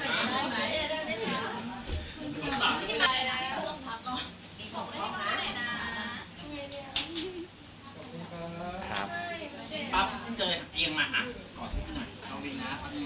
เอาอีกนะสักนิดหนึ่งขับให้หน่อย